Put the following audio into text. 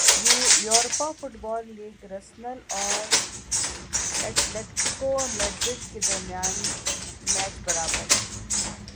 Europa football league Arsenal اور Atletico Madrid کے درمیان میچ برابر